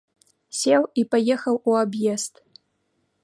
Сеў і паехаў у аб'езд.